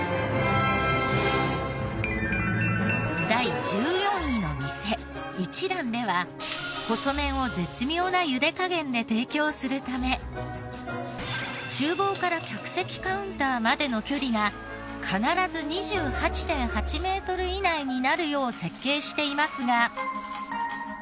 第１４位の店一蘭では細麺を絶妙な茹で加減で提供するため厨房から客席カウンターまでの距離が必ず２８．８メートル以内になるよう設計していますが。